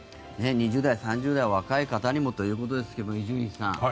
２０代、３０代若い方にもということですが伊集院さん